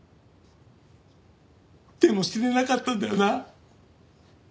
でも死ねなかったんだよな。